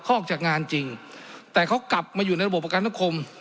ออกจากงานจริงแต่เขากลับมาอยู่ในระบบประกันสังคม